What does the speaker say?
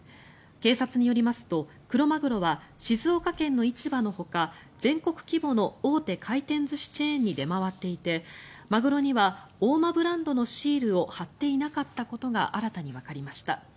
警察によりますとクロマグロは静岡県の市場のほか全国規模の大手回転寿司チェーンに出回っていてマグロには大間ブランドのシールを貼っていなかったことが新たにわかりました。